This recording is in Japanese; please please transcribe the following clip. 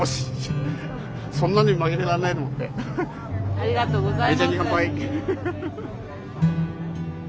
ありがとうございます。